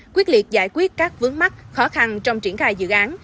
quyết liệt giải quyết các vướng mắc khó khăn trong triển khai dự án